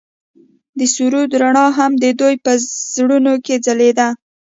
د سرود رڼا هم د دوی په زړونو کې ځلېده.